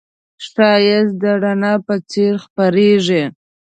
ښایست د رڼا په څېر خپرېږي